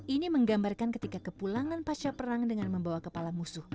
ini menggambarkan ketika kepulangan pasca perang dengan membawa kepala musuh